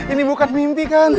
ini bukan mimpi kan